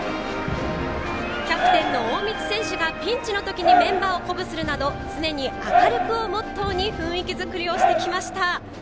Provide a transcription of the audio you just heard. キャプテンの大道選手がピンチの時にメンバーを鼓舞するなど常に明るくをモットーに雰囲気作りをしてきました。